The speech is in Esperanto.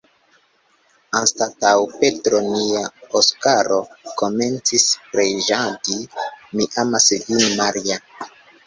Anstataŭ “Patro nia Oskaro komencis preĝadi Mi amas vin, Maria.